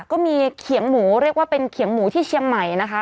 ก็มีเขียงหมูเรียกว่าเป็นเขียงหมูที่เชียงใหม่นะคะ